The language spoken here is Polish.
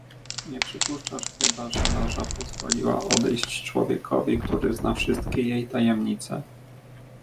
"Nie przypuszczasz chyba, żeby Loża pozwoliła odejść człowiekowi, który zna wszystkie jej tajemnice?"